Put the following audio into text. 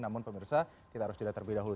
namun pemirsa kita harus jeda terlebih dahulu